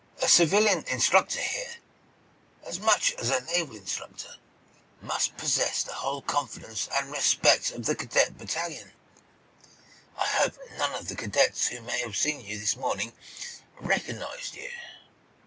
A civilian instructor here, as much as a naval instructor, must possess the whole confidence and respect of the cadet battalion. I hope none of the cadets who may have seen you this morning recognized you."